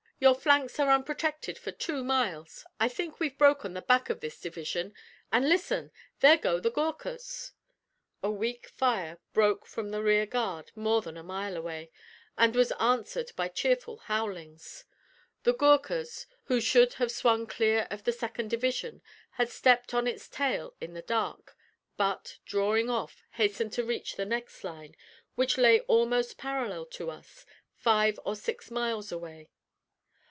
"Your flanks are unprotected for two miles. I think we've broken the back of this division. And listen! there go the Goorkhas!" A weak fire broke from the rear guard more than a mile away, and was answered by cheerful howlings. The Goorkhas, who should have swung clear of the second division, had stepped on its tail in the dark, but, drawing off, hastened to reach the next line, which lay almost parallel to us, five or six miles away.